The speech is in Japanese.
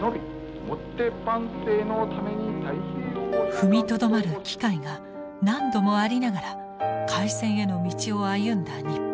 踏みとどまる機会が何度もありながら開戦への道を歩んだ日本。